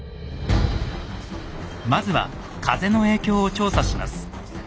まずは風の影響を調査します。